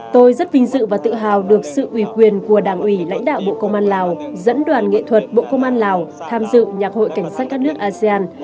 tôi rất vinh dự và tự hào được sự ủy quyền của đảng ủy lãnh đạo bộ công an lào dẫn đoàn nghệ thuật bộ công an lào tham dự nhạc hội cảnh sát các nước asean